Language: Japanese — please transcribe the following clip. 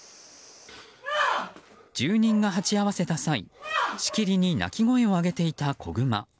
住人が鉢合わせた際しきりに鳴き声を上げていた子グマ。